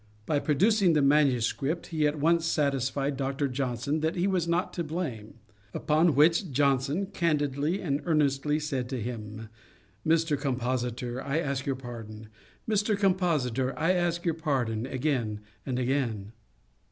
By producing the manuscript, he at once satisfied Dr. Johnson that he was not to blame. Upon which Johnson candidly and earnestly said to him, 'Mr. Compositor, I ask your pardon. Mr. Compositor, I ask your pardon, again and again.'